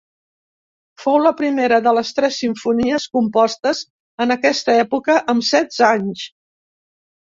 Fou la primera de les tres simfonies compostes en aquesta època, amb setze anys.